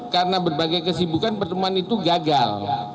karena berbagai kesibukan pertemuan itu gagal